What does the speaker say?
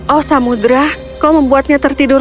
oh samudera kau membuatnya tertidur